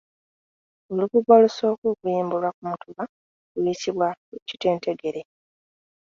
Olubugo olusooka okuyimbulwa ku mutuba luyitibwa kitentegere.